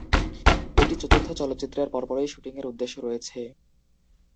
এটি চতুর্থ চলচ্চিত্রের পরপরই শুটিং এর উদ্দেশ্য রয়েছে।